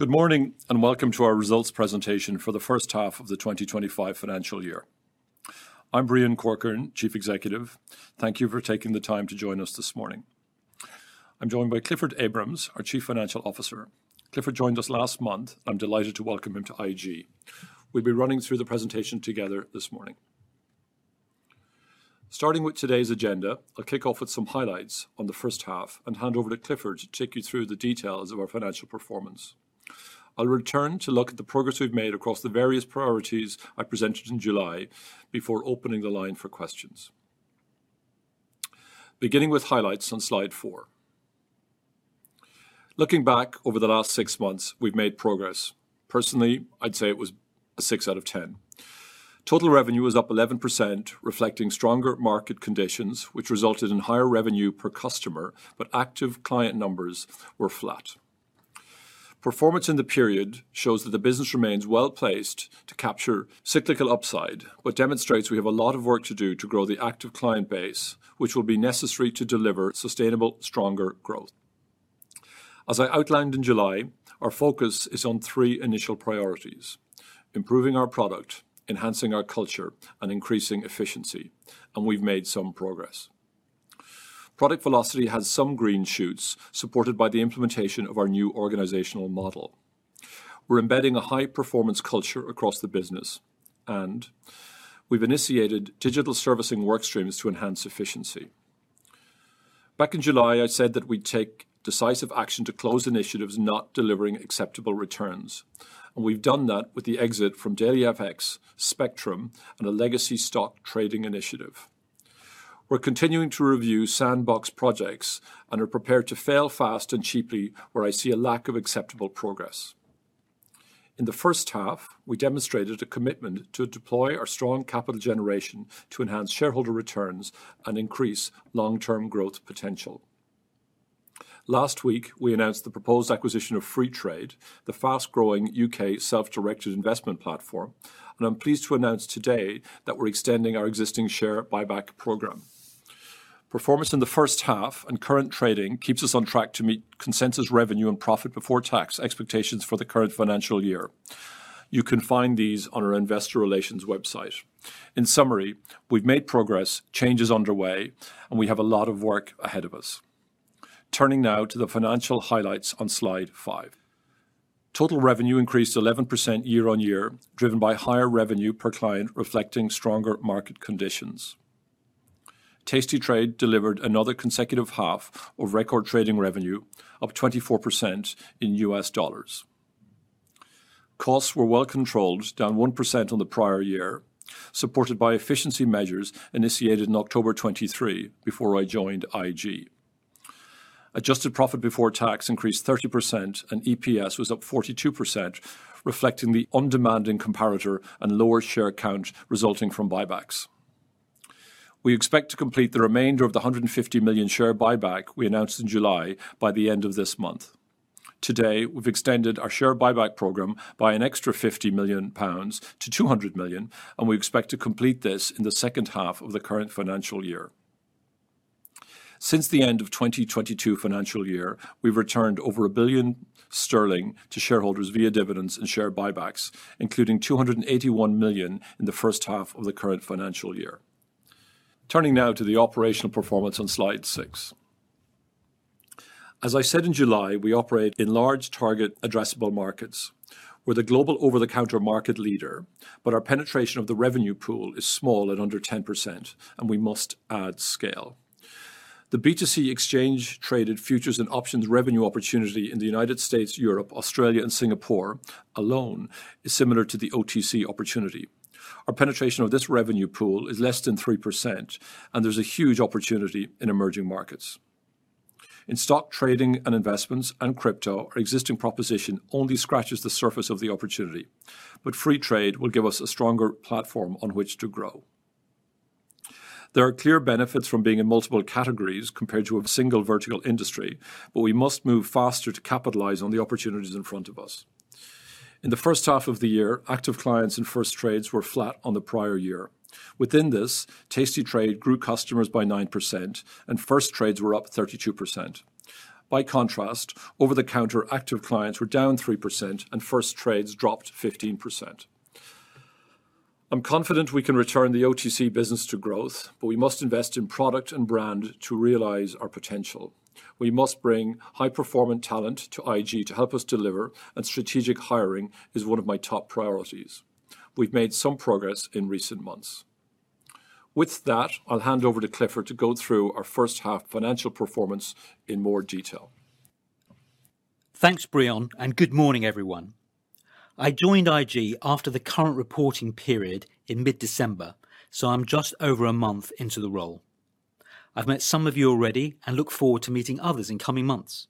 Good morning and welcome to our results presentation for the first half of the 2025 financial year. I'm Breon Corcoran, Chief Executive. Thank you for taking the time to join us this morning. I'm joined by Clifford Abrahams, our Chief Financial Officer. Clifford joined us last month, and I'm delighted to welcome him to IG. We'll be running through the presentation together this morning. Starting with today's agenda, I'll kick off with some highlights on the first half and hand over to Clifford to take you through the details of our financial performance. I'll return to look at the progress we've made across the various priorities I presented in July before opening the line for questions. Beginning with highlights on slide four. Looking back over the last six months, we've made progress. Personally, I'd say it was a six out of 10. Total revenue was up 11%, reflecting stronger market conditions, which resulted in higher revenue per customer, but active client numbers were flat. Performance in the period shows that the business remains well placed to capture cyclical upside, but demonstrates we have a lot of work to do to grow the active client base, which will be necessary to deliver sustainable, stronger growth. As I outlined in July, our focus is on three initial priorities: improving our product, enhancing our culture, and increasing efficiency, and we've made some progress. Product velocity has some green shoots, supported by the implementation of our new organizational model. We're embedding a high-performance culture across the business, and we've initiated digital servicing workstreams to enhance efficiency. Back in July, I said that we'd take decisive action to close initiatives not delivering acceptable returns, and we've done that with the exit from DailyFX, Spectrum, and a legacy stock trading initiative. We're continuing to review sandbox projects and are prepared to fail fast and cheaply where I see a lack of acceptable progress. In the first half, we demonstrated a commitment to deploy our strong capital generation to enhance shareholder returns and increase long-term growth potential. Last week, we announced the proposed acquisition of Freetrade, the fast-growing U.K. self-directed investment platform, and I'm pleased to announce today that we're extending our existing share buyback program. Performance in the first half and current trading keeps us on track to meet consensus revenue and profit before tax expectations for the current financial year. You can find these on our investor relations website. In summary, we've made progress, changes underway, and we have a lot of work ahead of us. Turning now to the financial highlights on slide five. Total revenue increased 11% year-on-year, driven by higher revenue per client, reflecting stronger market conditions. tastytrade delivered another consecutive half of record trading revenue of 24% in U.S. dollars. Costs were well controlled, down 1% on the prior year, supported by efficiency measures initiated in October 2023 before I joined IG. Adjusted profit before tax increased 30%, and EPS was up 42%, reflecting the undemanding comparator and lower share count resulting from buybacks. We expect to complete the remainder of the 150 million share buyback we announced in July by the end of this month. Today, we've extended our share buyback program by an extra 50 million pounds to 200 million, and we expect to complete this in the second half of the current financial year. Since the end of the 2022 financial year, we've returned over 1 billion sterling to shareholders via dividends and share buybacks, including 281 million in the first half of the current financial year. Turning now to the operational performance on slide six. As I said in July, we operate in large target addressable markets. We're the global over-the-counter market leader, but our penetration of the revenue pool is small at under 10%, and we must add scale. The B2C exchange-traded futures and options revenue opportunity in the United States, Europe, Australia, and Singapore alone is similar to the OTC opportunity. Our penetration of this revenue pool is less than 3%, and there's a huge opportunity in emerging markets. In stock trading and investments and crypto, our existing proposition only scratches the surface of the opportunity, but Freetrade will give us a stronger platform on which to grow. There are clear benefits from being in multiple categories compared to a single vertical industry, but we must move faster to capitalize on the opportunities in front of us. In the first half of the year, active clients and first trades were flat on the prior year. Within this, tastytrade grew customers by 9%, and first trades were up 32%. By contrast, over-the-counter active clients were down 3%, and first trades dropped 15%. I'm confident we can return the OTC business to growth, but we must invest in product and brand to realize our potential. We must bring high-performing talent to IG to help us deliver, and strategic hiring is one of my top priorities. We've made some progress in recent months. With that, I'll hand over to Clifford to go through our first half financial performance in more detail. Thanks, Breon, and good morning, everyone. I joined IG after the current reporting period in mid-December, so I'm just over a month into the role. I've met some of you already and look forward to meeting others in coming months.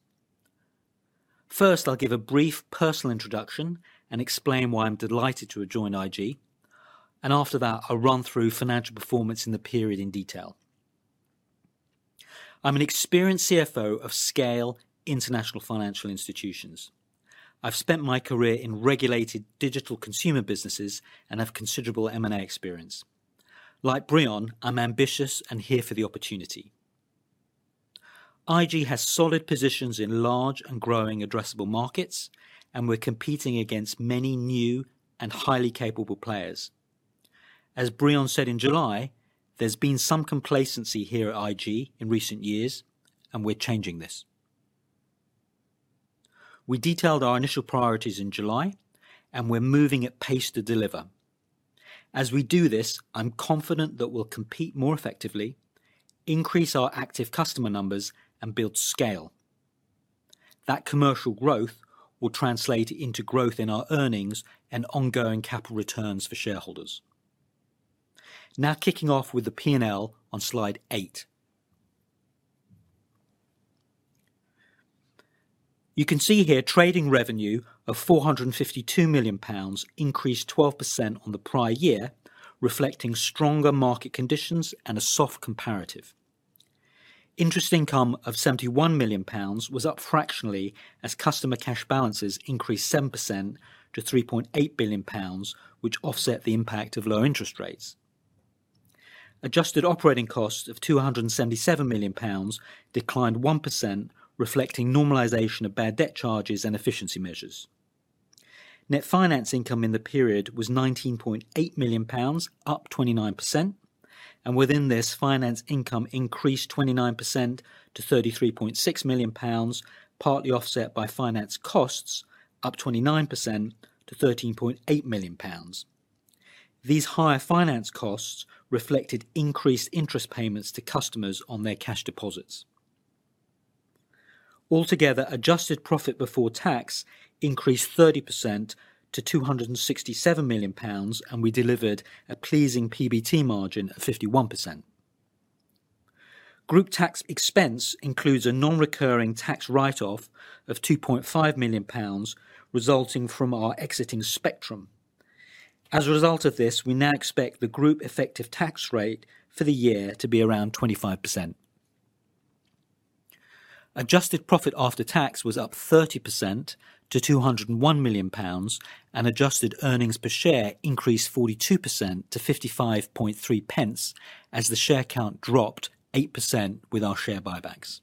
First, I'll give a brief personal introduction and explain why I'm delighted to have joined IG, and after that, I'll run through financial performance in the period in detail. I'm an experienced CFO of large-scale international financial institutions. I've spent my career in regulated digital consumer businesses and have considerable M&A experience. Like Breon, I'm ambitious and here for the opportunity. IG has solid positions in large and growing addressable markets, and we're competing against many new and highly capable players. As Breon said in July, there's been some complacency here at IG in recent years, and we're changing this. We detailed our initial priorities in July, and we're moving at pace to deliver. As we do this, I'm confident that we'll compete more effectively, increase our active customer numbers, and build scale. That commercial growth will translate into growth in our earnings and ongoing capital returns for shareholders. Now, kicking off with the P&L on slide eight. You can see here trading revenue of 452 million pounds increased 12% on the prior year, reflecting stronger market conditions and a soft comparative. Interest income of GBP 71 million was up fractionally as customer cash balances increased 7% to 3.8 billion pounds, which offset the impact of low interest rates. Adjusted operating cost of 277 million pounds declined 1%, reflecting normalization of bad debt charges and efficiency measures. Net finance income in the period was 19.8 million pounds, up 29%, and within this, finance income increased 29% to 33.6 million pounds, partly offset by finance costs, up 29% to 13.8 million pounds. These higher finance costs reflected increased interest payments to customers on their cash deposits. Altogether, adjusted profit before tax increased 30% to 267 million pounds, and we delivered a pleasing PBT margin of 51%. Group tax expense includes a non-recurring tax write-off of 2.5 million pounds, resulting from our exiting Spectrum. As a result of this, we now expect the group effective tax rate for the year to be around 25%. Adjusted profit after tax was up 30% to 201 million pounds, and adjusted earnings per share increased 42% to 55.3 as the share count dropped 8% with our share buybacks.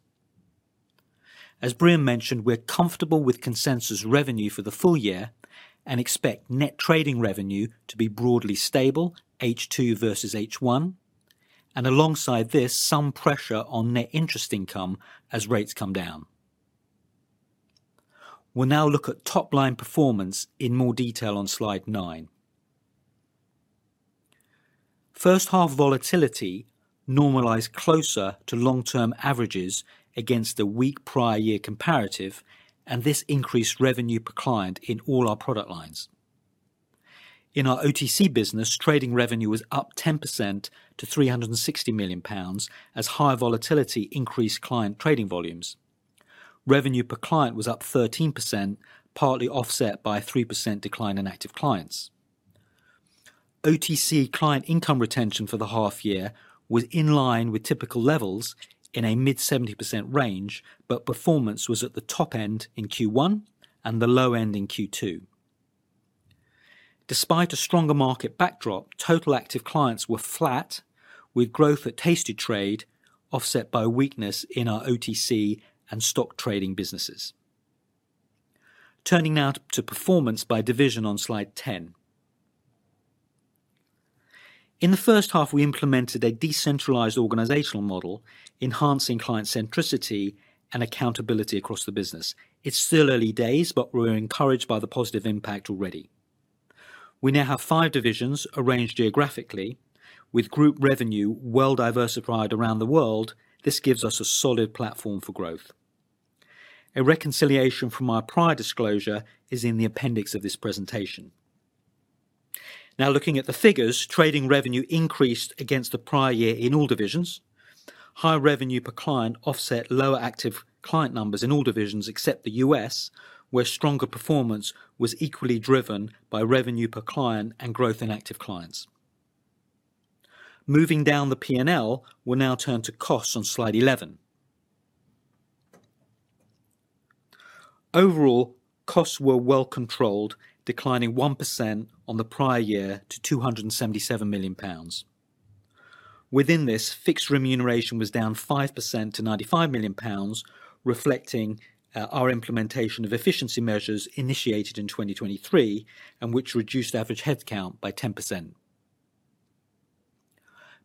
As Breon mentioned, we're comfortable with consensus revenue for the full year and expect net trading revenue to be broadly stable, H2 versus H1, and alongside this, some pressure on net interest income as rates come down. We'll now look at top-line performance in more detail on slide nine. First half volatility normalized closer to long-term averages against the weak prior year comparative, and this increased revenue per client in all our product lines. In our OTC business, trading revenue was up 10% to 360 million pounds as high volatility increased client trading volumes. Revenue per client was up 13%, partly offset by a 3% decline in active clients. OTC client income retention for the half year was in line with typical levels in a mid-70% range, but performance was at the top end in Q1 and the low end in Q2. Despite a stronger market backdrop, total active clients were flat, with growth at tastytrade offset by weakness in our OTC and stock trading businesses. Turning now to performance by division on slide 10. In the first half, we implemented a decentralized organizational model, enhancing client centricity and accountability across the business. It's still early days, but we're encouraged by the positive impact already. We now have five divisions arranged geographically, with group revenue well diversified around the world. This gives us a solid platform for growth. A reconciliation from our prior disclosure is in the appendix of this presentation. Now, looking at the figures, trading revenue increased against the prior year in all divisions. High revenue per client offset lower active client numbers in all divisions except the U.S., where stronger performance was equally driven by revenue per client and growth in active clients. Moving down the P&L, we'll now turn to costs on slide 11. Overall, costs were well controlled, declining one% on the prior year to 277 million pounds. Within this, fixed remuneration was down five% to 95 million pounds, reflecting our implementation of efficiency measures initiated in 2023 and which reduced average headcount by 10%.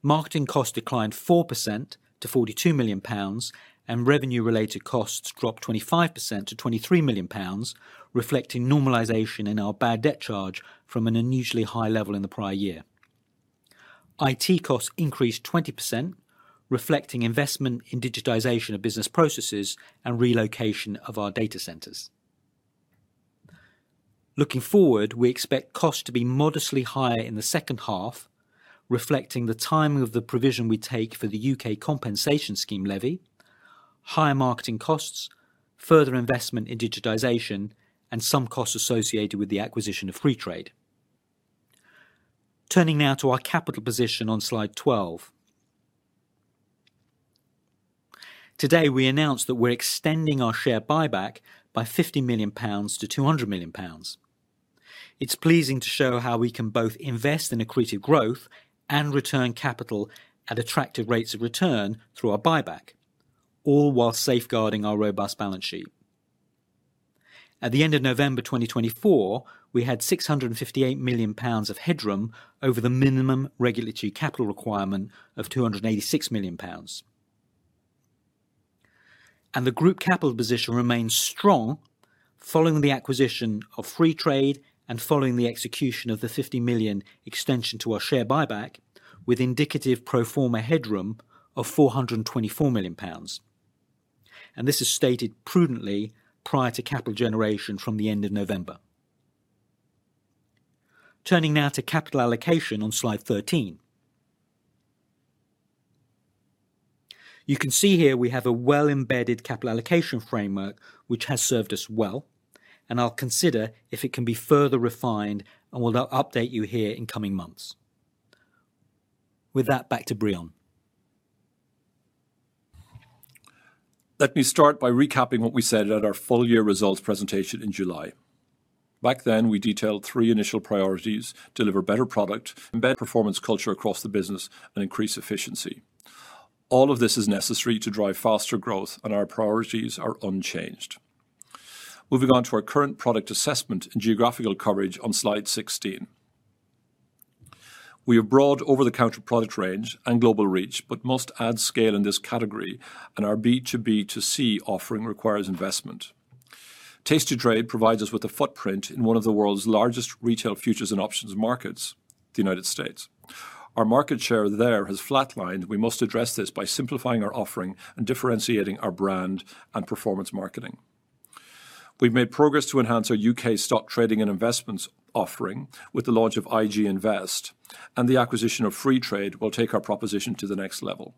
Marketing costs declined four% to 42 million pounds, and revenue-related costs dropped 25% to 23 million pounds, reflecting normalization in our bad debt charge from an unusually high level in the prior year. IT costs increased 20%, reflecting investment in digitization of business processes and relocation of our data centers. Looking forward, we expect costs to be modestly higher in the second half, reflecting the timing of the provision we take for the U.K. compensation scheme levy, higher marketing costs, further investment in digitization, and some costs associated with the acquisition of Freetrade. Turning now to our capital position on slide 12. Today, we announced that we're extending our share buyback by 50 million pounds to 200 million pounds. It's pleasing to show how we can both invest in accretive growth and return capital at attractive rates of return through our buyback, all while safeguarding our robust balance sheet. At the end of November 2024, we had 658 million pounds of headroom over the minimum regulatory capital requirement of 286 million pounds. And the group capital position remains strong following the acquisition of Freetrade and following the execution of the 50 million extension to our share buyback, with indicative pro forma headroom of 424 million pounds. And this is stated prudently prior to capital generation from the end of November. Turning now to capital allocation on slide 13. You can see here we have a well-embedded capital allocation framework, which has served us well, and I'll consider if it can be further refined and will update you here in coming months. With that, back to Breon. Let me start by recapping what we said at our full year results presentation in July. Back then, we detailed three initial priorities: deliver better product, embed performance culture across the business, and increase efficiency. All of this is necessary to drive faster growth, and our priorities are unchanged. Moving on to our current product assessment and geographical coverage on slide 16. We have broad over-the-counter product range and global reach, but must add scale in this category, and our B2B2C offering requires investment. tastytrade provides us with a footprint in one of the world's largest retail futures and options markets, the United States. Our market share there has flatlined, and we must address this by simplifying our offering and differentiating our brand and performance marketing. We've made progress to enhance our U.K. stock trading and investments offering with the launch of IG Invest, and the acquisition of Freetrade will take our proposition to the next level.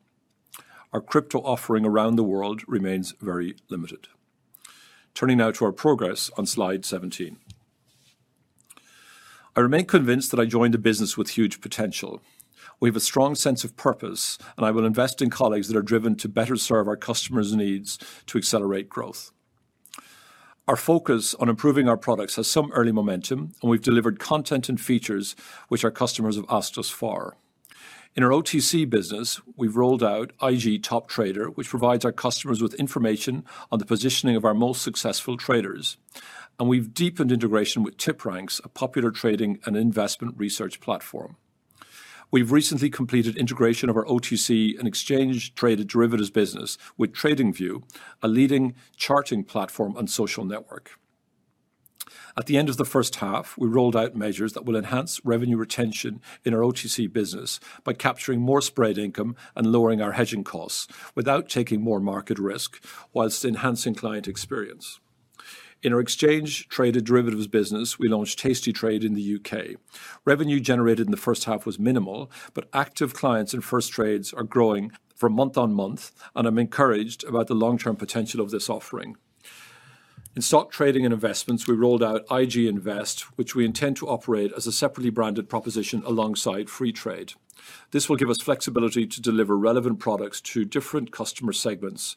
Our crypto offering around the world remains very limited. Turning now to our progress on slide 17. I remain convinced that I joined a business with huge potential. We have a strong sense of purpose, and I will invest in colleagues that are driven to better serve our customers' needs to accelerate growth. Our focus on improving our products has some early momentum, and we've delivered content and features which our customers have asked us for. In our OTC business, we've rolled out IG Top Trader, which provides our customers with information on the positioning of our most successful traders, and we've deepened integration with TipRanks, a popular trading and investment research platform. We've recently completed integration of our OTC and exchange-traded derivatives business with TradingView, a leading charting platform and social network. At the end of the first half, we rolled out measures that will enhance revenue retention in our OTC business by capturing more spread income and lowering our hedging costs without taking more market risk, whilst enhancing client experience. In our exchange-traded derivatives business, we launched tastytrade in the U.K. Revenue generated in the first half was minimal, but active clients and first trades are growing from month on month, and I'm encouraged about the long-term potential of this offering. In stock trading and investments, we rolled out IG Invest, which we intend to operate as a separately branded proposition alongside Freetrade. This will give us flexibility to deliver relevant products to different customer segments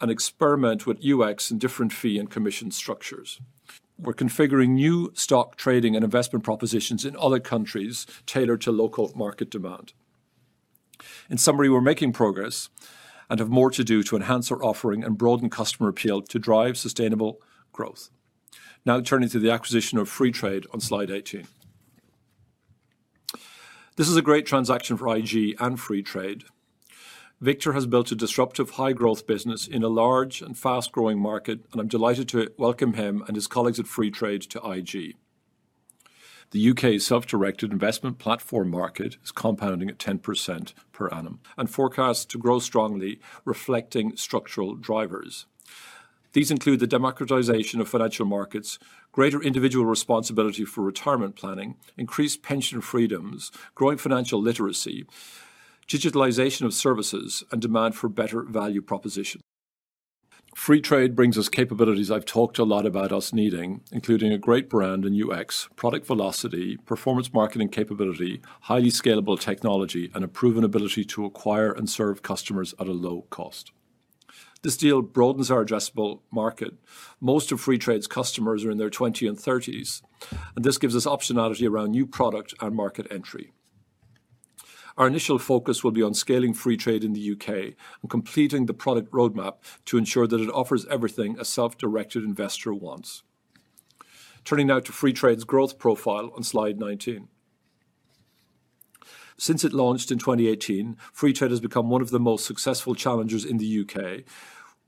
and experiment with UX and different fee and commission structures. We're configuring new stock trading and investment propositions in other countries tailored to local market demand. In summary, we're making progress and have more to do to enhance our offering and broaden customer appeal to drive sustainable growth. Now, turning to the acquisition of Freetrade on slide 18. This is a great transaction for IG and Freetrade. Victor has built a disruptive high-growth business in a large and fast-growing market, and I'm delighted to welcome him and his colleagues at Freetrade to IG. The U.K. self-directed investment platform market is compounding at 10% per annum and forecasts to grow strongly, reflecting structural drivers. These include the democratization of financial markets, greater individual responsibility for retirement planning, increased pension freedoms, growing financial literacy, digitalization of services, and demand for better value proposition. Freetrade brings us capabilities I've talked a lot about us needing, including a great brand and UX, product velocity, performance marketing capability, highly scalable technology, and a proven ability to acquire and serve customers at a low cost. This deal broadens our addressable market. Most of Freetrade's customers are in their 20s and 30s, and this gives us optionality around new product and market entry. Our initial focus will be on scaling Freetrade in the U.K. and completing the product roadmap to ensure that it offers everything a self-directed investor wants. Turning now to Freetrade's growth profile on slide 19. Since it launched in 2018, Freetrade has become one of the most successful challengers in the U.K..,.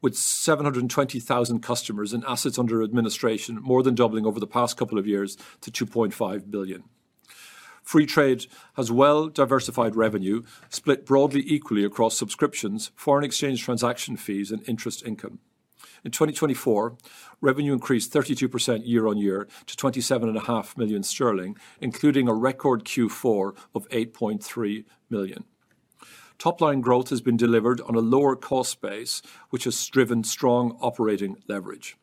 with 720,000 customers and assets under administration more than doubling over the past couple of years to 2.5 billion. Freetrade has well-diversified revenue split broadly equally across subscriptions, foreign exchange transaction fees, and interest income. In 2024, revenue increased 32% year-on-year to 27.5 million sterling, including a record Q4 of 8.3 million. Top-line growth has been delivered on a lower cost base, which has driven strong operating leverage.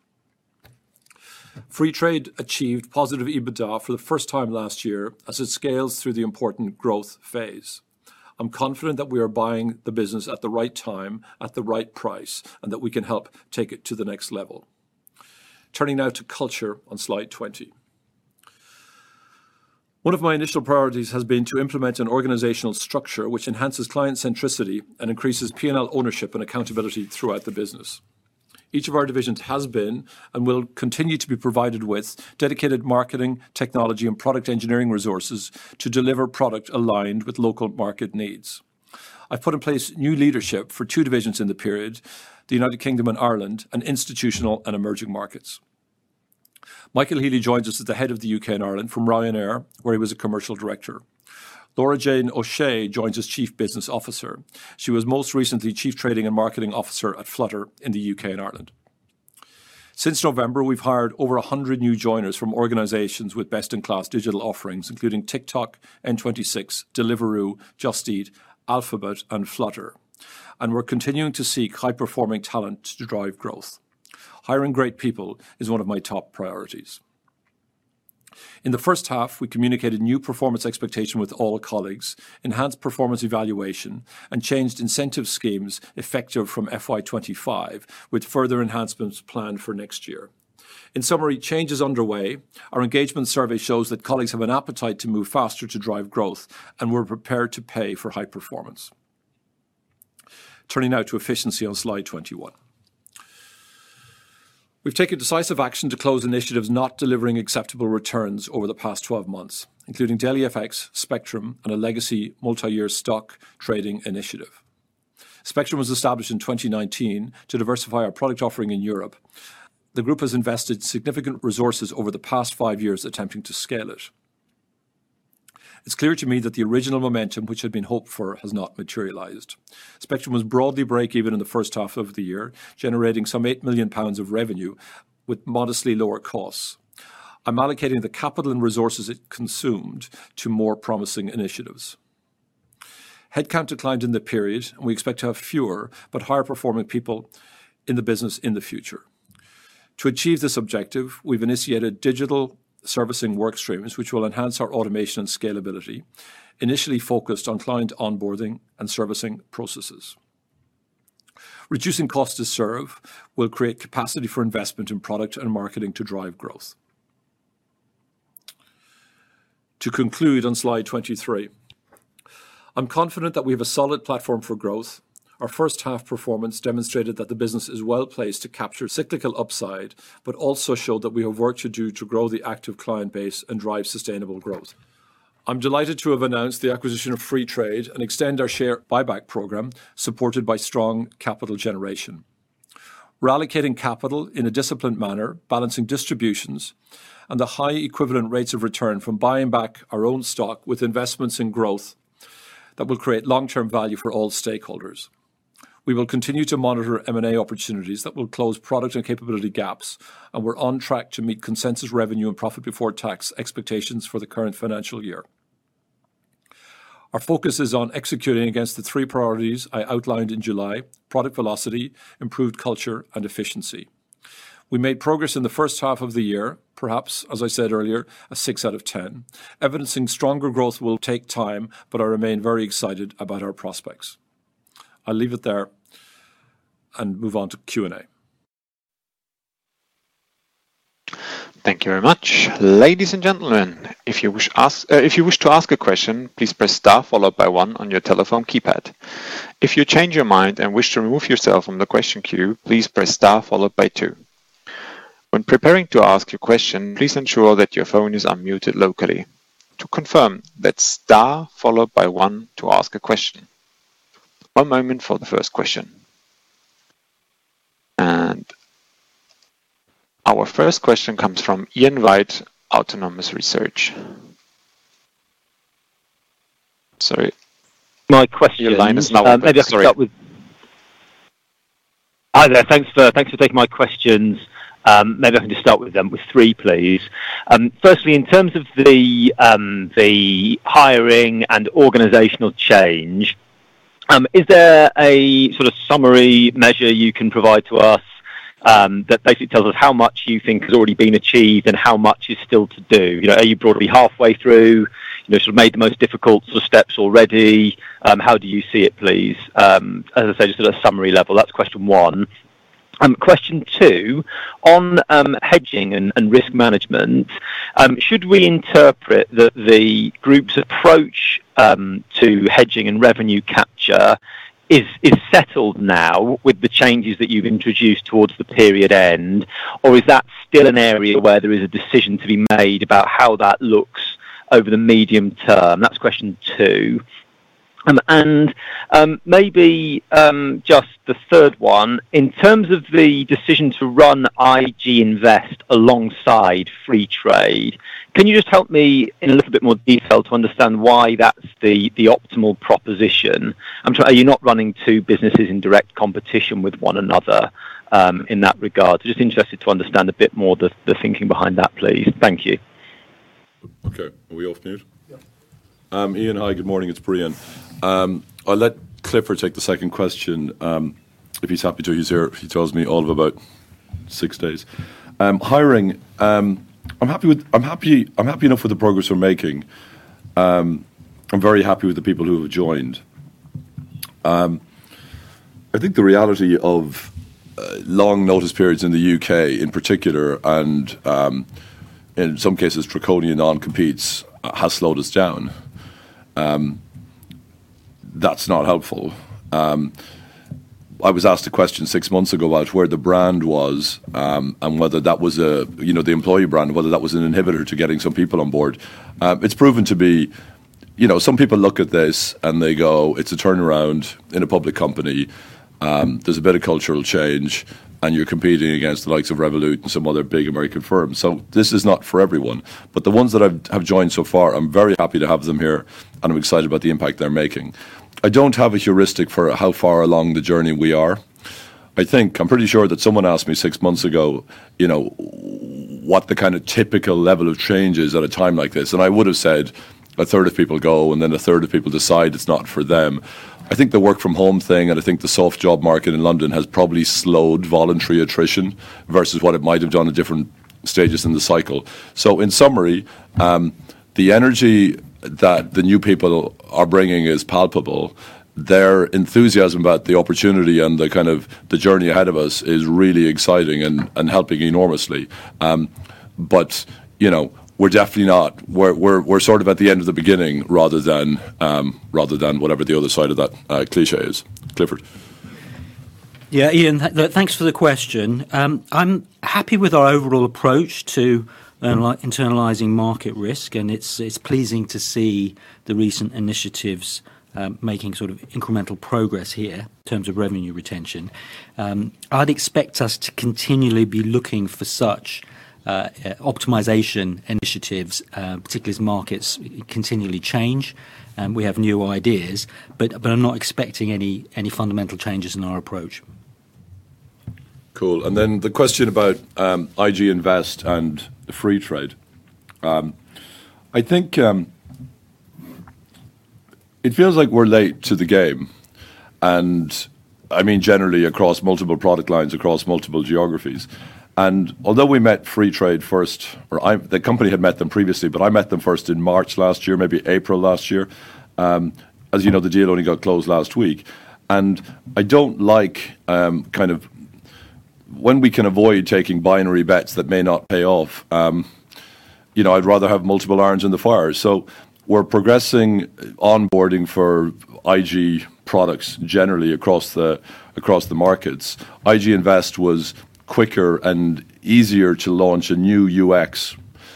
Freetrade achieved positive EBITDA for the first time last year as it scales through the important growth phase. I'm confident that we are buying the business at the right time, at the right price, and that we can help take it to the next level. Turning now to culture on slide 20. One of my initial priorities has been to implement an organizational structure which enhances client centricity and increases P&L ownership and accountability throughout the business. Each of our divisions has been and will continue to be provided with dedicated marketing, technology, and product engineering resources to deliver product aligned with local market needs. I've put in place new leadership for two divisions in the period, the United Kingdom and Ireland, and institutional and emerging markets. Michael Healy joins us as the head of the U.K. and Ireland from Ryanair, where he was a commercial director. Laura Jane O'Shea joins as Chief Business Officer. She was most recently Chief Trading and Marketing Officer at Flutter in the U.K. and Ireland. Since November, we've hired over 100 new joiners from organizations with best-in-class digital offerings, including TikTok, N26, Deliveroo, Just Eat, Alphabet, and Flutter, and we're continuing to seek high-performing talent to drive growth. Hiring great people is one of my top priorities. In the first half, we communicated new performance expectations with all colleagues, enhanced performance evaluation, and changed incentive schemes effective from FY25, with further enhancements planned for next year. In summary, change is underway. Our engagement survey shows that colleagues have an appetite to move faster to drive growth, and we're prepared to pay for high performance. Turning now to efficiency on slide 21. We've taken decisive action to close initiatives not delivering acceptable returns over the past 12 months, including DailyFX, Spectrum, and a legacy multi-year stock trading initiative. Spectrum was established in 2019 to diversify our product offering in Europe. The group has invested significant resources over the past five years attempting to scale it. It's clear to me that the original momentum, which had been hoped for, has not materialized. Spectrum was broadly break-even in the first half of the year, generating some eight million pounds of revenue with modestly lower costs. I'm allocating the capital and resources it consumed to more promising initiatives. Headcount declined in the period, and we expect to have fewer but higher-performing people in the business in the future. To achieve this objective, we've initiated digital servicing work streams, which will enhance our automation and scalability, initially focused on client onboarding and servicing processes. Reducing costs to serve will create capacity for investment in product and marketing to drive growth. To conclude on slide 23, I'm confident that we have a solid platform for growth. Our first half performance demonstrated that the business is well placed to capture cyclical upside, but also showed that we have work to do to grow the active client base and drive sustainable growth. I'm delighted to have announced the acquisition of Freetrade and extend our share buyback program supported by strong capital generation, replicating capital in a disciplined manner, balancing distributions, and the high equivalent rates of return from buying back our own stock with investments in growth that will create long-term value for all stakeholders. We will continue to monitor M&A opportunities that will close product and capability gaps, and we're on track to meet consensus revenue and profit before tax expectations for the current financial year. Our focus is on executing against the three priorities I outlined in July: product velocity, improved culture, and efficiency. We made progress in the first half of the year, perhaps, as I said earlier, a 6 out of 10, evidencing stronger growth will take time, but I remain very excited about our prospects. I'll leave it there and move on to Q&A. Thank you very much. Ladies and gentlemen, if you wish to ask a question, please press star followed by one on your telephone keypad. If you change your mind and wish to remove yourself from the question queue, please press star followed by two. When preparing to ask your question, please ensure that your phone is unmuted locally. To confirm, that's star followed by one to ask a question. One moment for the first question. And our first question comes from Ian Wright, Autonomous Research. Sorry. My question is now. Sorry. Maybe I can start with. Hi there. Thanks for taking my questions. Maybe I can just start with them, with three, please. Firstly, in terms of the hiring and organizational change, is there a sort of summary measure you can provide to us that basically tells us how much you think has already been achieved and how much is still to do? Are you broadly halfway through, sort of made the most difficult steps already? How do you see it, please? As I said, just at a summary level, that's question one. Question two, on hedging and risk management, should we interpret that the group's approach to hedging and revenue capture is settled now with the changes that you've introduced towards the period end, or is that still an area where there is a decision to be made about how that looks over the medium term? That's question two. And maybe just the third one, in terms of the decision to run IG Invest alongside Freetrade, can you just help me in a little bit more detail to understand why that's the optimal proposition? I'm sorry, are you not running two businesses in direct competition with one another in that regard? Just interested to understand a bit more the thinking behind that, please. Thank you. Okay. Are we off mute? Yeah. Ian, hi. Good morning. It's Breon. I'll let Clifford take the second question. If he's happy to, he's here. He tells me all about six days. Hiring, I'm happy enough with the progress we're making. I'm very happy with the people who have joined. I think the reality of long notice periods in the U.K., in particular, and in some cases, Draconian non-competes has slowed us down. That's not helpful. I was asked a question six months ago about where the brand was and whether that was the employee brand, whether that was an inhibitor to getting some people on board. It's proven to be some people look at this and they go, "It's a turnaround in a public company. There's a bit of cultural change, and you're competing against the likes of Revolut and some other big American firms." So this is not for everyone. But the ones that have joined so far, I'm very happy to have them here, and I'm excited about the impact they're making. I don't have a heuristic for how far along the journey we are. I think I'm pretty sure that someone asked me six months ago what the kind of typical level of change is at a time like this, and I would have said a third of people go, and then a third of people decide it's not for them. I think the work-from-home thing and I think the soft job market in London has probably slowed voluntary attrition versus what it might have done at different stages in the cycle. So in summary, the energy that the new people are bringing is palpable. Their enthusiasm about the opportunity and the kind of journey ahead of us is really exciting and helping enormously. But we're definitely not. We're sort of at the end of the beginning rather than whatever the other side of that cliché is. Clifford. Yeah, Ian, thanks for the question. I'm happy with our overall approach to internalizing market risk, and it's pleasing to see the recent initiatives making sort of incremental progress here in terms of revenue retention. I'd expect us to continually be looking for such optimization initiatives, particularly as markets continually change and we have new ideas, but I'm not expecting any fundamental changes in our approach. Cool. And then the question about IG Invest and Freetrade. I think it feels like we're late to the game, and I mean generally across multiple product lines, across multiple geographies. And although we met Freetrade first, or the company had met them previously, but I met them first in March last year, maybe April last year. As you know, the deal only got closed last week. And I don't like kind of when we can avoid taking binary bets that may not pay off. I'd rather have multiple irons in the fire. So we're progressing onboarding for IG products generally across the markets. IG Invest was quicker and easier to launch a new UX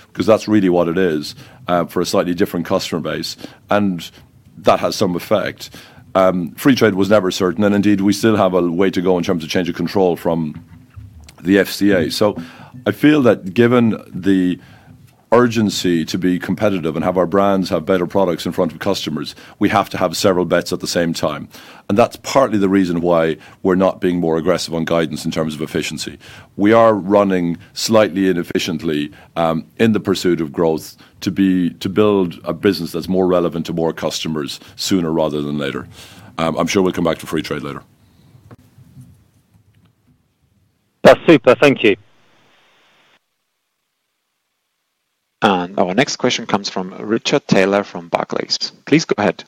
because that's really what it is for a slightly different customer base, and that has some effect. Freetrade was never certain, and indeed, we still have a way to go in terms of change of control from the FCA. So I feel that given the urgency to be competitive and have our brands have better products in front of customers, we have to have several bets at the same time. And that's partly the reason why we're not being more aggressive on guidance in terms of efficiency. We are running slightly inefficiently in the pursuit of growth to build a business that's more relevant to more customers sooner rather than later. I'm sure we'll come back to Freetrade later. That's super. Thank you. Our next question comes from Richard Taylor from Barclays. Please go ahead.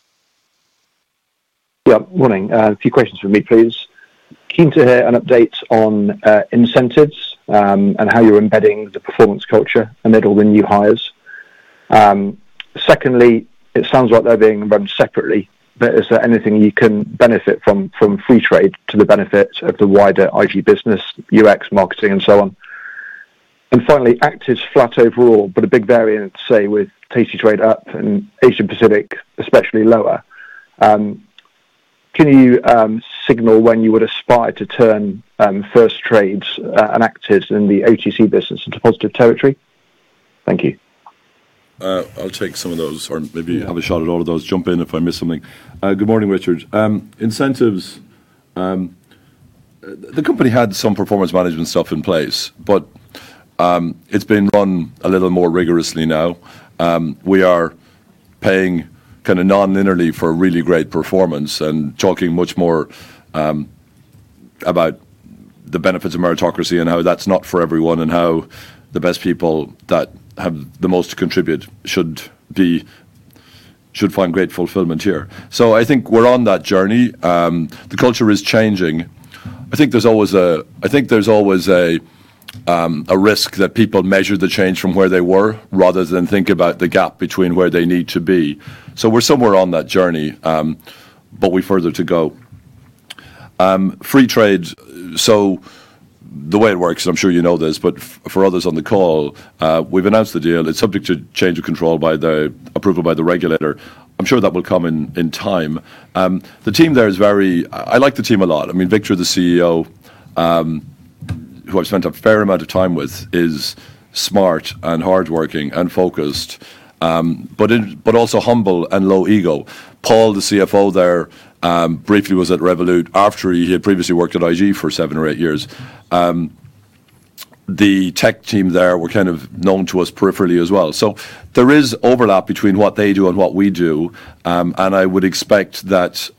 Yeah. Morning. A few questions from me, please. Keen to hear an update on incentives and how you're embedding the performance culture amid all the new hires. Secondly, it sounds like they're being run separately. Is there anything you can benefit from Freetrade to the benefit of the wider IG business, UX marketing, and so on? And finally, active's flat overall, but a big variance, say, with tastytrade up and Asia Pacific, especially lower. Can you signal when you would aspire to turn first trades and active in the OTC business into positive territory? Thank you. I'll take some of those or maybe have a shot at all of those. Jump in if I miss something. Good morning, Richard. Incentives, the company had some performance management stuff in place, but it's been run a little more rigorously now. We are paying kind of non-linearly for really great performance and talking much more about the benefits of meritocracy and how that's not for everyone and how the best people that have the most to contribute should find great fulfillment here. So I think we're on that journey. The culture is changing. I think there's always a risk that people measure the change from where they were rather than think about the gap between where they need to be. So we're somewhere on that journey, but we're further to go. Freetrade, so the way it works, and I'm sure you know this, but for others on the call, we've announced the deal. It's subject to change of control approval by the regulator. I'm sure that will come in time. The team there is very. I like the team a lot. I mean, Victor, the CEO, who I've spent a fair amount of time with, is smart and hardworking and focused, but also humble and low ego. Paul, the CFO there, briefly was at Revolut after he had previously worked at IG for seven or eight years. The tech team there were kind of known to us peripherally as well. So there is overlap between what they do and what we do, and I would expect that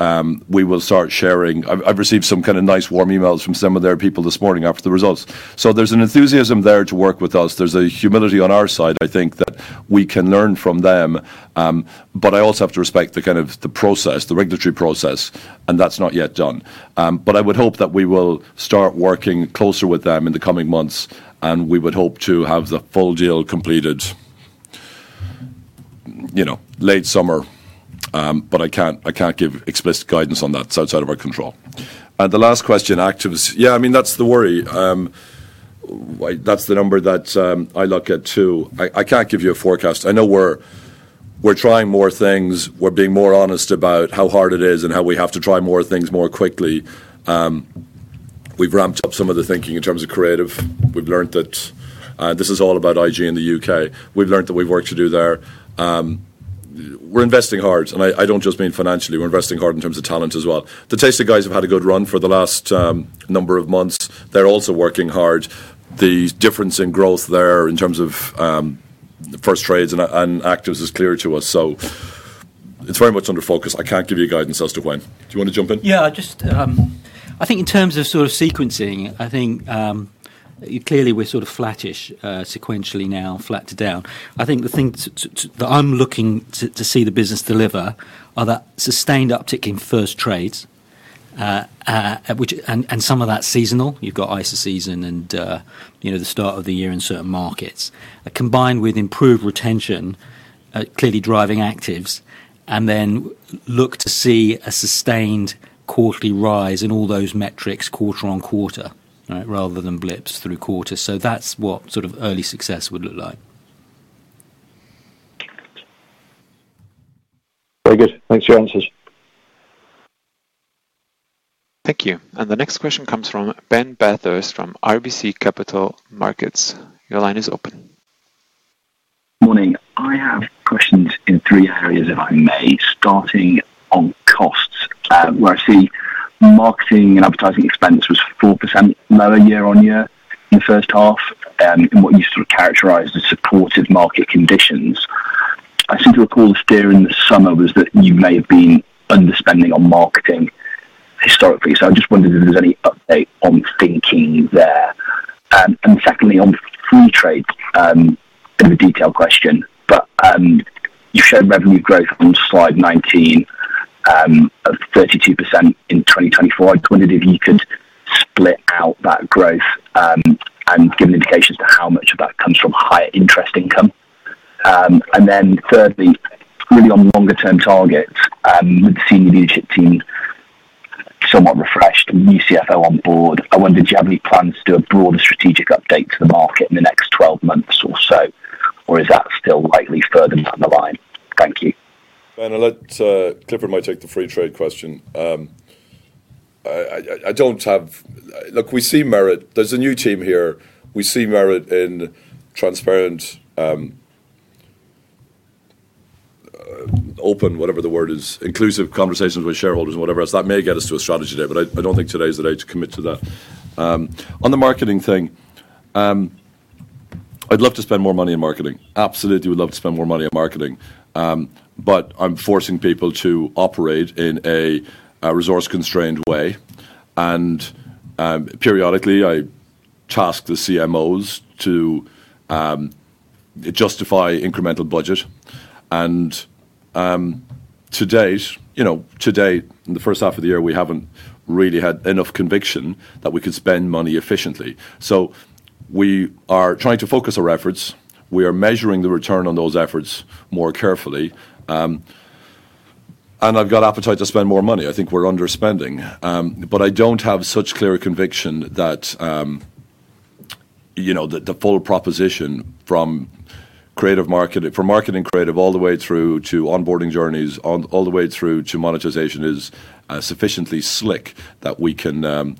we will start sharing. I've received some kind of nice warm emails from some of their people this morning after the results. So there's an enthusiasm there to work with us. There's a humility on our side, I think, that we can learn from them. But I also have to respect the kind of the process, the regulatory process, and that's not yet done. But I would hope that we will start working closer with them in the coming months, and we would hope to have the full deal completed late summer, but I can't give explicit guidance on that. It's outside of our control. And the last question, actives. Yeah, I mean, that's the worry. That's the number that I look at too. I can't give you a forecast. I know we're trying more things. We're being more honest about how hard it is and how we have to try more things more quickly. We've ramped up some of the thinking in terms of creative. We've learned that this is all about IG in the U.K. We've learned that we've worked to do there. We're investing hard, and I don't just mean financially. We're investing hard in terms of talent as well. The Tasty guys have had a good run for the last number of months. They're also working hard. The difference in growth there in terms of first trades and actives is clear to us. So it's very much under focus. I can't give you guidance as to when. Do you want to jump in? Yeah. I think in terms of sort of sequencing, I think clearly we're sort of flattish sequentially now, flat to down. I think the thing that I'm looking to see the business deliver are that sustained uptick in first trades and some of that seasonal. You've got ISA season and the start of the year in certain markets, combined with improved retention, clearly driving actives, and then look to see a sustained quarterly rise in all those metrics quarter on quarter, rather than blips through quarters. So that's what sort of early success would look like. Very good. Thanks for your answers. Thank you. And the next question comes from Ben Bathurst from RBC Capital Markets. Your line is open. Morning. I have questions in three areas, if I may, starting on costs, where I see marketing and advertising expense was 4% lower year-on-year in the first half in what you sort of characterized as supportive market conditions. I seem to recall the fear in the summer was that you may have been underspending on marketing historically. So I just wondered if there's any update on thinking there. And secondly, on Freetrade in the detail question, but you showed revenue growth on slide 19 of 32% in 2024. I wondered if you could split out that growth and give indications to how much of that comes from higher interest income? And then thirdly, really on longer-term targets, with the senior leadership team somewhat refreshed and new CFO on board, I wondered, do you have any plans to do a broader strategic update to the market in the next 12 months or so, or is that still likely further down the line? Thank you. I'll let Clifford take the Freetrade question. I don't know. Look, we see merit. There's a new team here. We see merit in transparent, open, whatever the word is, inclusive conversations with shareholders and whatever else. That may get us to a strategy there, but I don't think today is the day to commit to that. On the marketing thing, I'd love to spend more money on marketing. Absolutely would love to spend more money on marketing, but I'm forcing people to operate in a resource-constrained way. And periodically, I task the CMOs to justify incremental budget. And to date, in the first half of the year, we haven't really had enough conviction that we could spend money efficiently. So we are trying to focus our efforts. We are measuring the return on those efforts more carefully. And I've got appetite to spend more money. I think we're underspending, but I don't have such clear conviction that the full proposition from creative marketing for marketing creative all the way through to onboarding journeys, all the way through to monetization is sufficiently slick that we can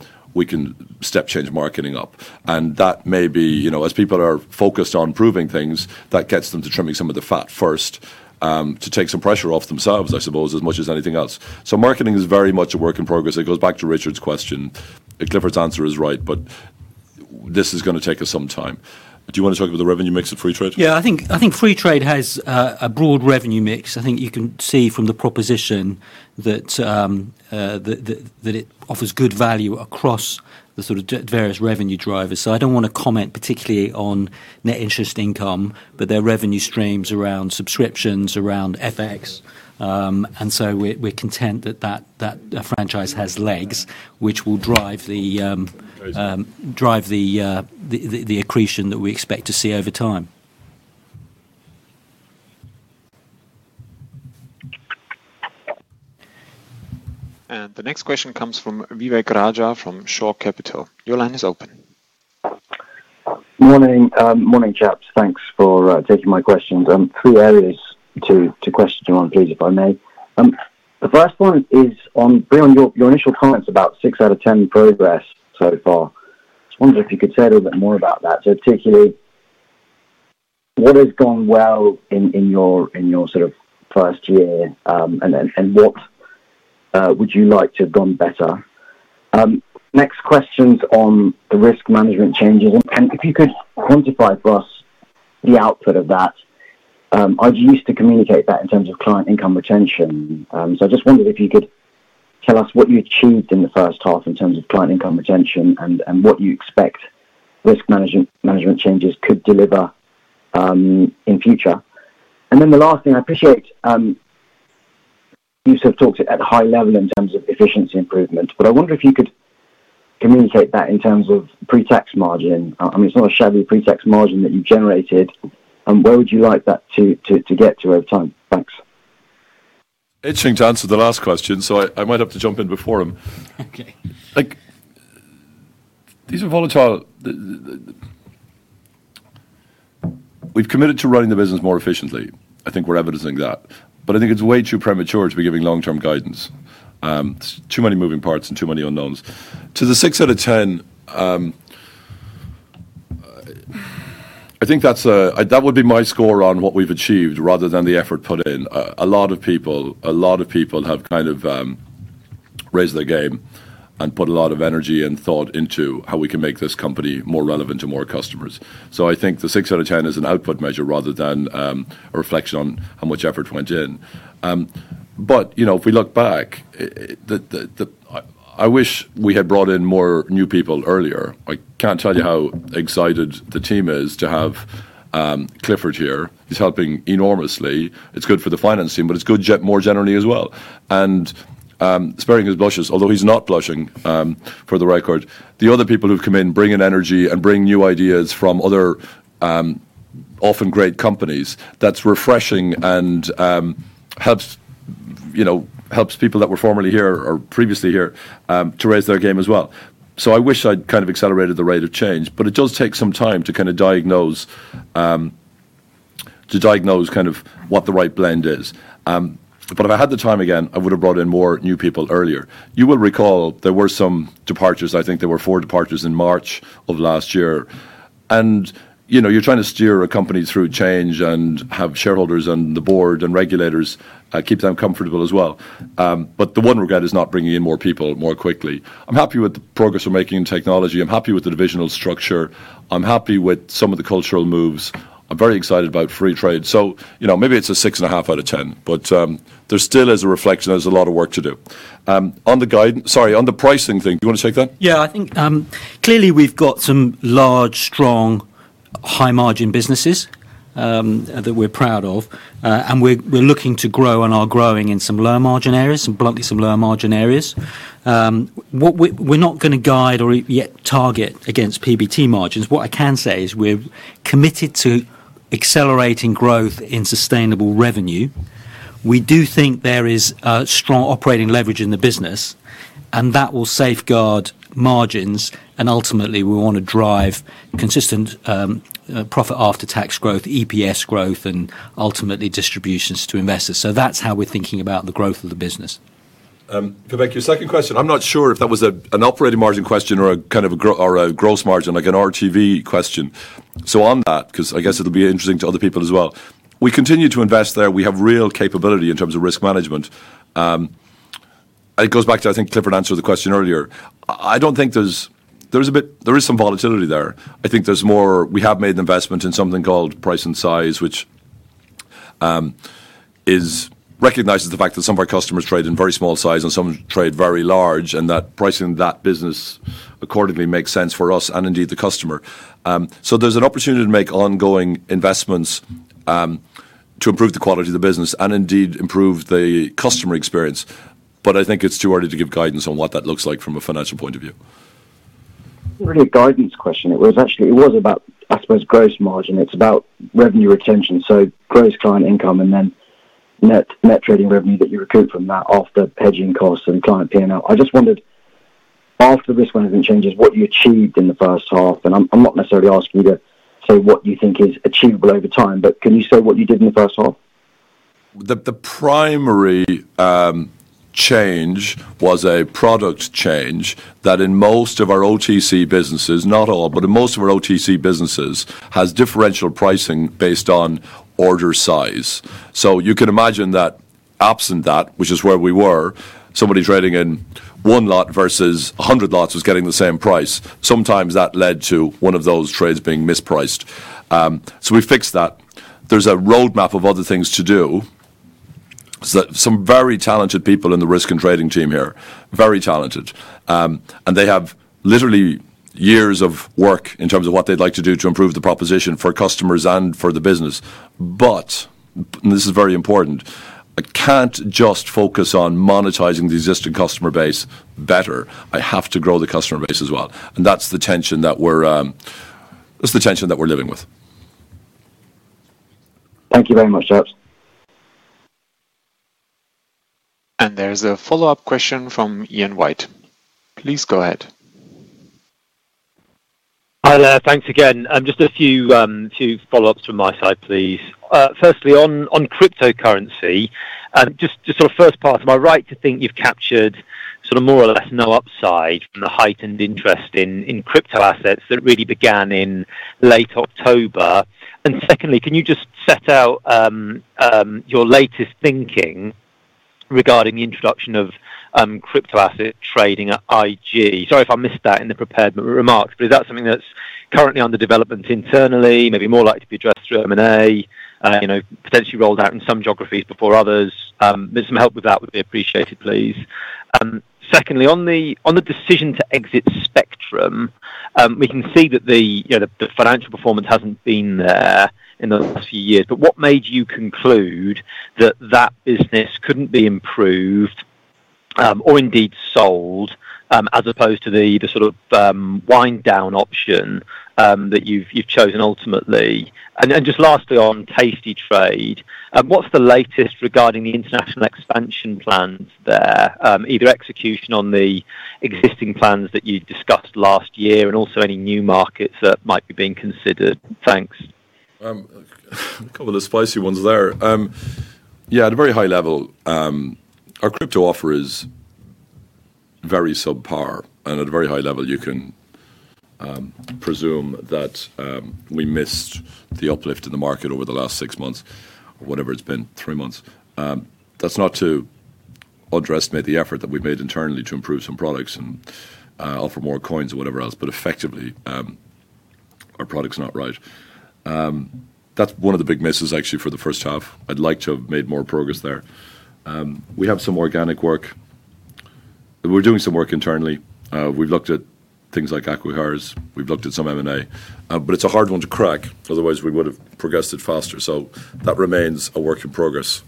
step change marketing up, and that may be, as people are focused on proving things, that gets them to trimming some of the fat first to take some pressure off themselves, I suppose, as much as anything else, so marketing is very much a work in progress. It goes back to Richard's question. Clifford's answer is right, but this is going to take us some time. Do you want to talk about the revenue mix of Freetrade? Yeah. I think Freetrade has a broad revenue mix. I think you can see from the proposition that it offers good value across the sort of various revenue drivers, so I don't want to comment particularly on net interest income, but their revenue streams around subscriptions, around FX, and so we're content that that franchise has legs, which will drive the accretion that we expect to see over time. And the next question comes from Vivek Raja from Shore Capital. Your line is open. Morning, chaps. Thanks for taking my questions. Three areas to question you on, please, if I may. The first one is on your initial comments about six out of 10 progress so far. I just wondered if you could say a little bit more about that, particularly what has gone well in your sort of first year and what would you like to have gone better. Next question's on the risk management changes. And if you could quantify for us the output of that, are you used to communicate that in terms of client income retention? So I just wondered if you could tell us what you achieved in the first half in terms of client income retention and what you expect risk management changes could deliver in future. Then the last thing, I appreciate you sort of talked at a high level in terms of efficiency improvement, but I wonder if you could communicate that in terms of pretax margin. I mean, it's not a shabby pretax margin that you generated. Where would you like that to get to over time? Thanks. Interesting to answer the last question, so I might have to jump in before him. These are volatile. We've committed to running the business more efficiently. I think we're evidencing that. But I think it's way too premature to be giving long-term guidance. Too many moving parts and too many unknowns. To the six out of 10, I think that would be my score on what we've achieved rather than the effort put in. A lot of people, a lot of people have kind of raised their game and put a lot of energy and thought into how we can make this company more relevant to more customers. So I think the six out of 10 is an output measure rather than a reflection on how much effort went in. But if we look back, I wish we had brought in more new people earlier. I can't tell you how excited the team is to have Clifford here. He's helping enormously. It's good for the finance team, but it's good more generally as well, and sparing his blushes, although he's not blushing for the record, the other people who've come in, bringing energy and bringing new ideas from other often great companies, that's refreshing and helps people that were formerly here or previously here to raise their game as well, so I wish I'd kind of accelerated the rate of change, but it does take some time to kind of diagnose kind of what the right blend is, but if I had the time again, I would have brought in more new people earlier. You will recall there were some departures. I think there were four departures in March of last year. And you're trying to steer a company through change and have shareholders and the board and regulators keep them comfortable as well. But the one regret is not bringing in more people more quickly. I'm happy with the progress we're making in technology. I'm happy with the divisional structure. I'm happy with some of the cultural moves. I'm very excited about Freetrade. So maybe it's a 6.5 out of 10, but there still is a reflection. There's a lot of work to do. On the guidance, sorry, on the pricing thing, do you want to take that? Yeah. I think clearly we've got some large, strong, high-margin businesses that we're proud of, and we're looking to grow and are growing in some low-margin areas, some bluntly low-margin areas. We're not going to guide or yet target against PBT margins. What I can say is we're committed to accelerating growth in sustainable revenue. We do think there is strong operating leverage in the business, and that will safeguard margins. And ultimately, we want to drive consistent profit after-tax growth, EPS growth, and ultimately distributions to investors. So that's how we're thinking about the growth of the business. Vivek, your second question, I'm not sure if that was an operating margin question or a kind of a gross margin, like an RTV question. So on that, because I guess it'll be interesting to other people as well. We continue to invest there. We have real capability in terms of risk management. It goes back to, I think Clifford answered the question earlier. I don't think there's a bit there is some volatility there. I think there's more. We have made an investment in something called price and size, which recognizes the fact that some of our customers trade in very small size and some trade very large, and that pricing that business accordingly makes sense for us and indeed the customer. So there's an opportunity to make ongoing investments to improve the quality of the business and indeed improve the customer experience. But I think it's too early to give guidance on what that looks like from a financial point of view. Not really a guidance question. It was actually about, I suppose, gross margin. It's about revenue retention. So gross client income and then net trading revenue that you recoup from that after hedging costs and client P&L. I just wondered, after risk management changes, what you achieved in the first half? And I'm not necessarily asking you to say what you think is achievable over time, but can you say what you did in the first half? The primary change was a product change that in most of our OTC businesses, not all, but in most of our OTC businesses has differential pricing based on order size. So you can imagine that absent that, which is where we were, somebody trading in one lot versus 100 lots was getting the same price. Sometimes that led to one of those trades being mispriced. So we fixed that. There's a roadmap of other things to do. Some very talented people in the risk and trading team here, very talented, and they have literally years of work in terms of what they'd like to do to improve the proposition for customers and for the business. But, and this is very important, I can't just focus on monetizing the existing customer base better. I have to grow the customer base as well. And that's the tension that we're living with. Thank you very much, chaps. There's a follow-up question from Ian Wright. Please go ahead. Hi, there. Thanks again. Just a few follow-ups from my side, please. Firstly, on cryptocurrency, just sort of first part, am I right to think you've captured sort of more or less no upside from the heightened interest in crypto assets that really began in late October? And secondly, can you just set out your latest thinking regarding the introduction of crypto asset trading at IG? Sorry if I missed that in the prepared remarks, but is that something that's currently under development internally, maybe more likely to be addressed through M&A, potentially rolled out in some geographies before others? There's some help with that would be appreciated, please. Secondly, on the decision to exit Spectrum Markets, we can see that the financial performance hasn't been there in the last few years. But what made you conclude that that business couldn't be improved or indeed sold as opposed to the sort of wind-down option that you've chosen ultimately? And just lastly, on tastytrade, what's the latest regarding the international expansion plans there, either execution on the existing plans that you discussed last year and also any new markets that might be being considered? Thanks. A couple of spicy ones there. Yeah, at a very high level, our crypto offer is very subpar, and at a very high level, you can presume that we missed the uplift in the market over the last six months, whatever it's been, three months. That's not to underestimate the effort that we've made internally to improve some products and offer more coins or whatever else, but effectively, our product's not right. That's one of the big misses, actually, for the first half. I'd like to have made more progress there. We have some organic work. We're doing some work internally. We've looked at things like AccuCors. We've looked at some M&A, but it's a hard one to crack. Otherwise, we would have progressed it faster, so that remains a work in progress.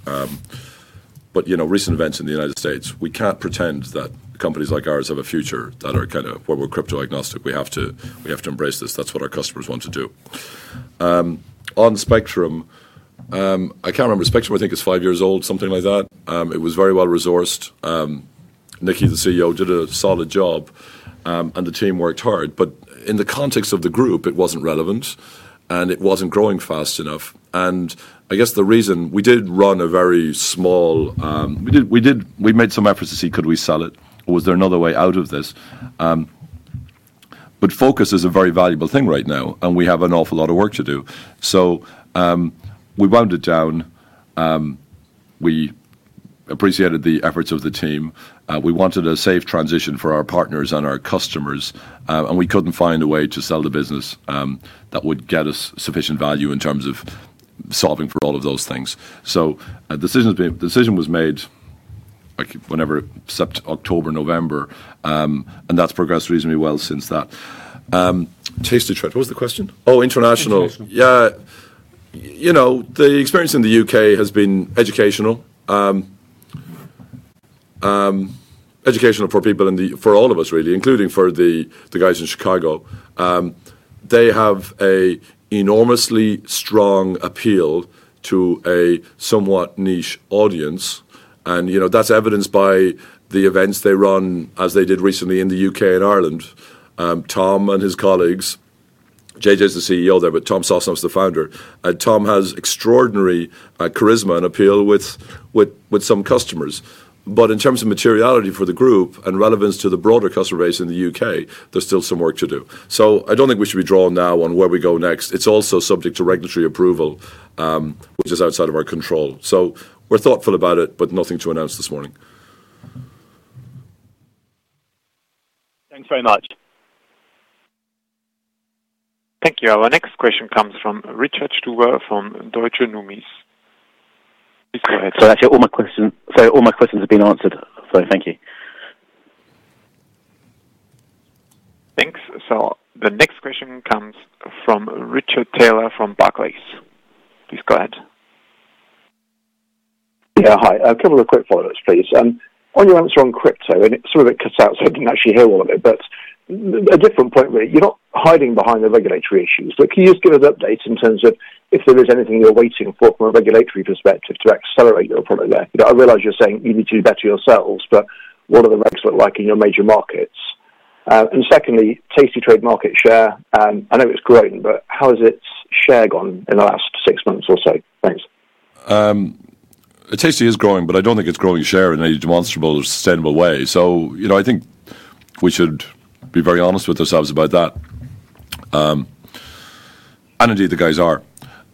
Recent events in the United States. We can't pretend that companies like ours have a future that are kind of where we're crypto agnostic. We have to embrace this. That's what our customers want to do. On Spectrum, I can't remember. Spectrum, I think, is five years old, something like that. It was very well resourced. Nicky, the CEO, did a solid job, and the team worked hard. In the context of the group, it wasn't relevant, and it wasn't growing fast enough. I guess the reason we made some efforts to see could we sell it, or was there another way out of this? Focus is a very valuable thing right now, and we have an awful lot of work to do. We wound it down. We appreciated the efforts of the team. We wanted a safe transition for our partners and our customers, and we couldn't find a way to sell the business that would get us sufficient value in terms of solving for all of those things, so a decision was made whenever it was September, October, November, and that's progressed reasonably well since that. tastytrade, what was the question? Oh, international. Yeah. The experience in the U.K. has been educational, educational for people in the for all of us, really, including for the guys in Chicago. They have an enormously strong appeal to a somewhat niche audience. That's evidenced by the events they run, as they did recently in the U.K. and Ireland. Tom and his colleagues, JJ's the CEO there, but Tom Sosnoff is the founder. Tom has extraordinary charisma and appeal with some customers. But in terms of materiality for the group and relevance to the broader customer base in the U.K., there's still some work to do. So I don't think we should be drawn now on where we go next. It's also subject to regulatory approval, which is outside of our control. So we're thoughtful about it, but nothing to announce this morning. Thanks very much. Thank you. Our next question comes from Richard Stuber from Deutsche Numis. Please go ahead. Sorry, actually, all my questions have been answered. So thank you. Thanks. So the next question comes from Richard Taylor from Barclays. Please go ahead. Yeah, hi. A couple of quick follow-ups, please. On your answer on crypto, and it's sort of it cuts out, so I didn't actually hear all of it, but a different point, really. You're not hiding behind the regulatory issues, but can you just give us updates in terms of if there is anything you're waiting for from a regulatory perspective to accelerate your product there? I realize you're saying you need to do better yourselves, but what are the regs look like in your major markets? And secondly, tastytrade market share, I know it's growing, but how has its share gone in the last six months or so? Thanks. tastytrade is growing, but I don't think it's growing share in any demonstrable or sustainable way. So I think we should be very honest with ourselves about that. And indeed, the guys are.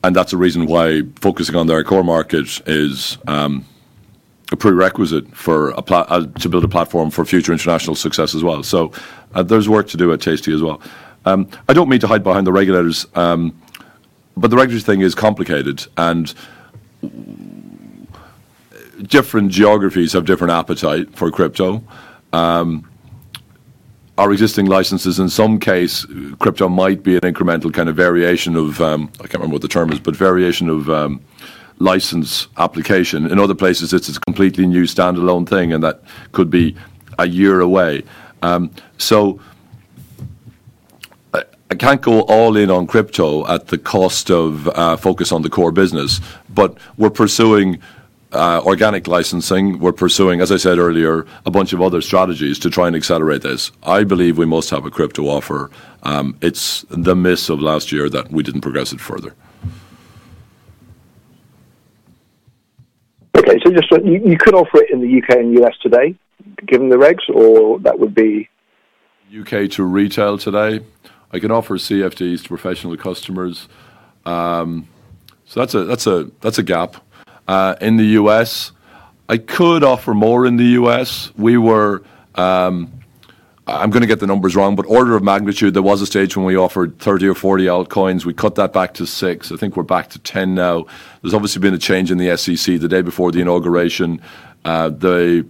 And that's the reason why focusing on their core market is a prerequisite to build a platform for future international success as well. So there's work to do at tastytrade as well. I don't mean to hide behind the regulators, but the regulatory thing is complicated, and different geographies have different appetite for crypto. Our existing licenses, in some case, crypto might be an incremental kind of variation of I can't remember what the term is, but variation of license application. In other places, it's a completely new standalone thing, and that could be a year away. So I can't go all in on crypto at the cost of focus on the core business, but we're pursuing organic licensing. We're pursuing, as I said earlier, a bunch of other strategies to try and accelerate this. I believe we must have a crypto offer. It's the miss of last year that we didn't progress it further. Okay. So you could offer it in the U.K. and U.S. today, given the regs, or that would be? U.K. to retail today. I can offer CFDs to professional customers. So that's a gap. In the U.S., I could offer more in the U.S. I'm going to get the numbers wrong, but order of magnitude, there was a stage when we offered 30 or 40 altcoins. We cut that back to six. I think we're back to 10 now. There's obviously been a change in the SEC the day before the inauguration. The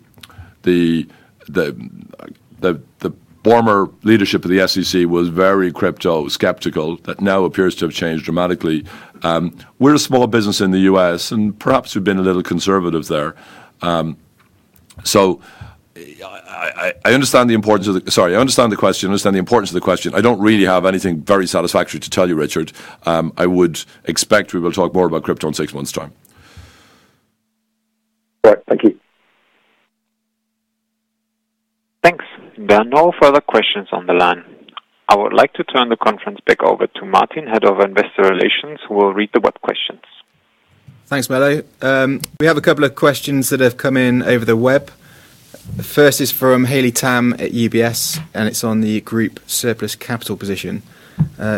former leadership of the SEC was very crypto skeptical. That now appears to have changed dramatically. We're a small business in the U.S., and perhaps we've been a little conservative there. So I understand the importance of the question. I don't really have anything very satisfactory to tell you, Richard. I would expect we will talk more about crypto in six months' time. All right. Thank you. Thanks. There are no further questions on the line. I would like to turn the conference back over to Martin, Head of Investor Relations, who will read the web questions. Thanks, Mello. We have a couple of questions that have come in over the web. First is from Hayley Tam at UBS, and it's on the group surplus capital position.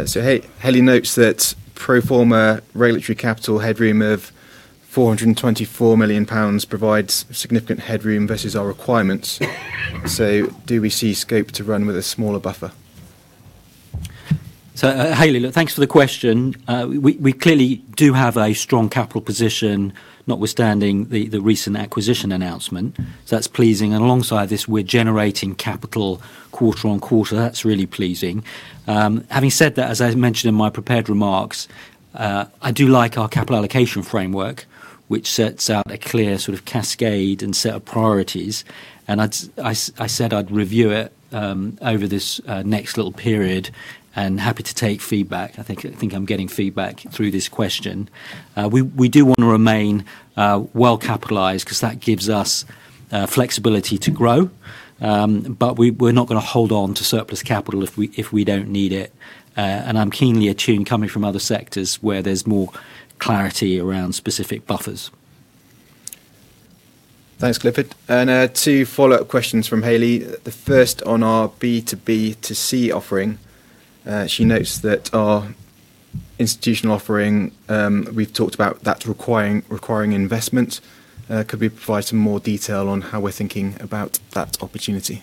So Hayley notes that pro forma regulatory capital headroom of 424 million pounds provides significant headroom versus our requirements. So do we see scope to run with a smaller buffer? So Hayley, look, thanks for the question. We clearly do have a strong capital position, notwithstanding the recent acquisition announcement. So that's pleasing. And alongside this, we're generating capital quarter on quarter. That's really pleasing. Having said that, as I mentioned in my prepared remarks, I do like our capital allocation framework, which sets out a clear sort of cascade and set of priorities. And I said I'd review it over this next little period and happy to take feedback. I think I'm getting feedback through this question. We do want to remain well capitalized because that gives us flexibility to grow, but we're not going to hold on to surplus capital if we don't need it. And I'm keenly attuned coming from other sectors where there's more clarity around specific buffers. Thanks, Clifford. And two follow-up questions from Hayley. The first on our B2B2C offering. She notes that our institutional offering we've talked about that's requiring investment. Could we provide some more detail on how we're thinking about that opportunity?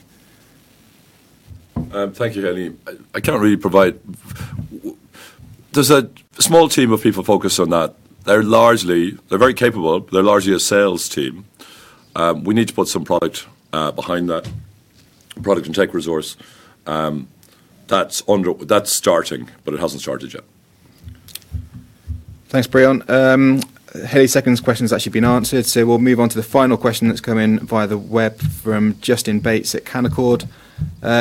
Thank you, Hayley. I can't really provide. There's a small team of people focused on that. They're very capable. They're largely a sales team. We need to put some product behind that, product and tech resource. That's starting, but it hasn't started yet. Thanks, Breon. Hayley's second question has actually been answered, so we'll move on to the final question that's come in via the web from Justin Bates at Canaccord.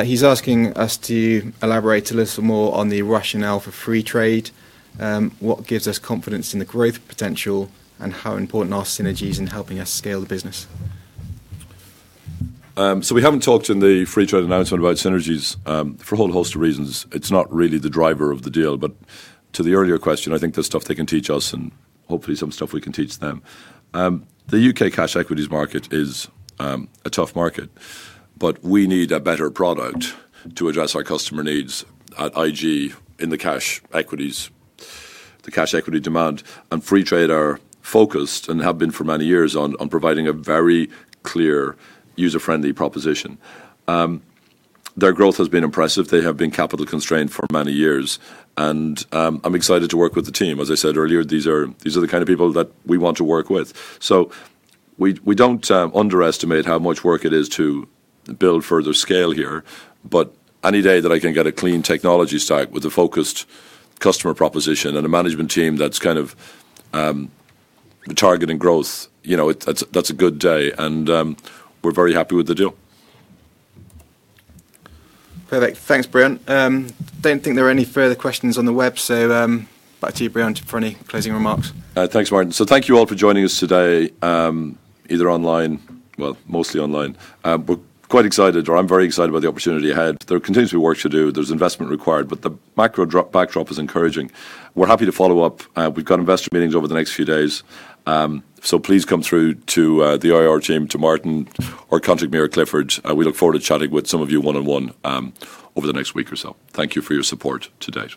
He's asking us to elaborate a little more on the rationale for Freetrade, what gives us confidence in the growth potential, and how important are synergies in helping us scale the business? So we haven't talked in the Freetrade announcement about synergies for a whole host of reasons. It's not really the driver of the deal. But to the earlier question, I think there's stuff they can teach us, and hopefully some stuff we can teach them. The U.K. cash equities market is a tough market, but we need a better product to address our customer needs at IG in the cash equities, the cash equity demand. And Freetrade are focused and have been for many years on providing a very clear, user-friendly proposition. Their growth has been impressive. They have been capital constrained for many years, and I'm excited to work with the team. As I said earlier, these are the kind of people that we want to work with. So, we don't underestimate how much work it is to build further scale here, but any day that I can get a clean technology stack with a focused customer proposition and a management team that's kind of targeting growth, that's a good day, and we're very happy with the deal. Perfect. Thanks, Breon. Don't think there are any further questions on the web, so back to you, Breon, for any closing remarks. Thanks, Martin. So thank you all for joining us today, either online, well, mostly online. We're quite excited, or I'm very excited by the opportunity ahead. There continues to be work to do. There's investment required, but the macro backdrop is encouraging. We're happy to follow up. We've got investor meetings over the next few days, so please come through to the IR team, to Martin, or contact me or Clifford. We look forward to chatting with some of you one-on-one over the next week or so. Thank you for your support today.